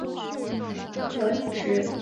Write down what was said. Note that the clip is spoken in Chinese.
阮廷宾因筹度失宜革职。